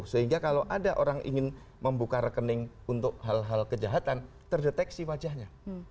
sehingga kalau ada orang ingin membuka rekening untuk hal hal kejahatan terdeteksi wajahnya